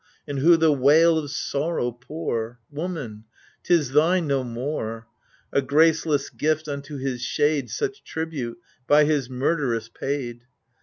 And who the wail of sorrow pour ? Woman, 'tis thine no more ! A graceless gift unto his shade Such tribute, by his murd'ress paid